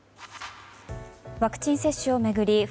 ワクチン接種を巡り